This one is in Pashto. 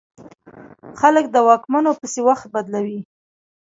خلک د واکمنو پسې وخت بدلوي.